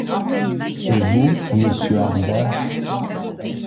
Et vous, monsieur Harbert ?